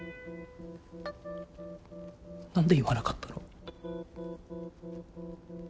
何で言わなかったの？